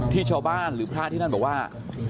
ที่ชาวบ้านหรือพระที่นั่นบอกว่า